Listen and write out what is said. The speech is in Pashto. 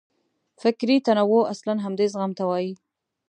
فکري تنوع اصلاً همدې زغم ته وایي.